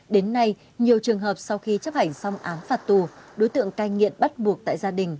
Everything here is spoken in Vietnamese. đến nay nhiều trường hợp sau khi chấp hành xong án phạt tù đối tượng cai nghiện bắt buộc tại gia đình